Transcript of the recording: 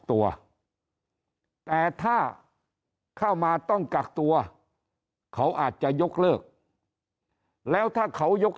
ตัวแต่ถ้าเข้ามาต้องกักตัวเขาอาจจะยกเลิกแล้วถ้าเขายก